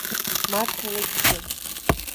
Марҭа лыхьӡын.